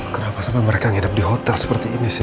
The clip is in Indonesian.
kenapa sampai mereka ngidap di hotel seperti ini sih